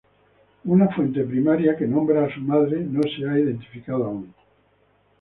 Una fuente primaria que nombra a su madre no se ha identificado aún.